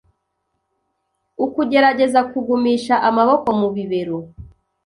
ukugerageza kugumisha amaboko ku bibero